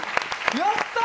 やったー！